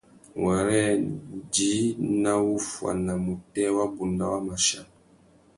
Wêrê djï nà wuffuana mutēh wabunda wa mà chia.